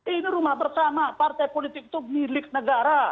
ini rumah bersama partai politik itu milik negara